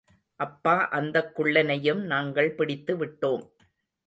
அப்பா அந்தக் குள்ளனையும் நாங்கள் பிடித்து விட்டோம்.